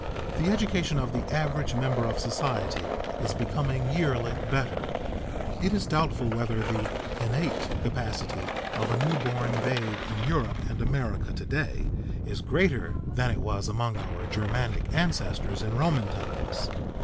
The education of the average member of society is becoming yearly better; it is doubtful whether the innate capacity of a new born babe in Europe and America to day is greater than it was among our Germanic ancestors in Roman times.